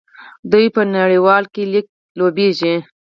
دوی په نړیوال لیګ کې لوبېږي.